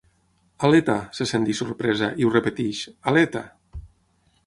Aleta! —se sent dir, sorpresa, i ho repeteix— Aleta!